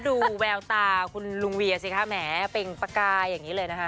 ดูแววตาคุณลุงเวียสิคะแหมเป่งปากกายอย่างนี้เลยนะคะ